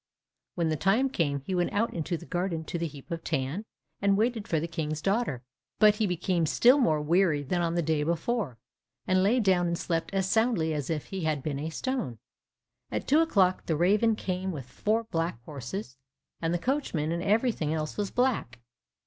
When the time came, he went out into the garden to the heap of tan, and waited for the King's daughter; but he became still more weary than on the day before, and lay down and slept as soundly as if he had been a stone. At two o'clock the raven came with four black horses, and the coachman and everything else was black.